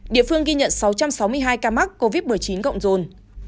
địa phương ghi nhận sáu trăm sáu mươi hai ca mắc covid một mươi chín cộng rồn